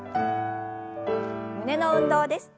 胸の運動です。